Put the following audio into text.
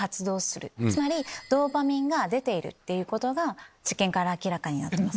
つまりドーパミンが出ていることが実験から明らかになってます。